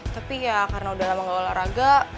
tapi ya karena sudah lama tidak olahraga